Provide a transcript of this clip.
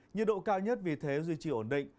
nhiệt độ cao nhất vì thế duy trì ổn định